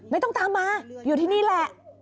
ไม่ต้องตามมาอยู่ที่นี่แหละ